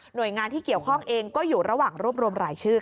โดยงานที่เกี่ยวข้องเองก็อยู่ระหว่างรวบรวมรายชื่อค่ะ